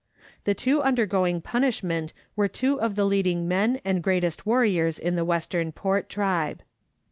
The two undergoing punishment were two of the leading men and greatest warriors in the Western Port tribe.